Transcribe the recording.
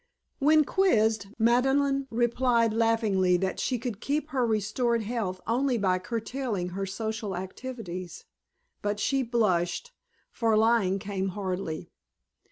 When quizzed, Madeleine replied laughingly that she could keep her restored health only by curtailing her social activities; but she blushed, for lying came hardly.